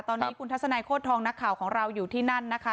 ตอนนี้คุณทัศนัยโคตรทองนักข่าวของเราอยู่ที่นั่นนะคะ